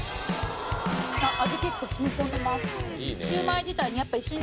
シューマイ自体に。